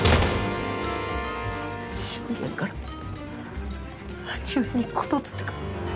信玄から兄上に言づてが。